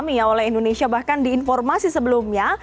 tidak hanya dialami oleh indonesia bahkan di informasi sebelumnya